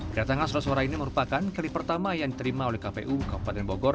kedatangan surat suara ini merupakan kali pertama yang diterima oleh kpu kabupaten bogor